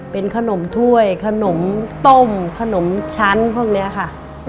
เป็นขนมถ้วยขนมต้มขนมชั้นพวกนี้ค่ะ